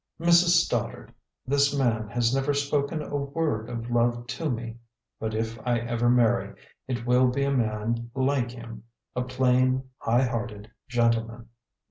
"Mrs. Stoddard, this man has never spoken a word of love to me. But if I ever marry, it will be a man like him a plain, high hearted gentleman.